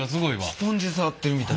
スポンジ触ってるみたい。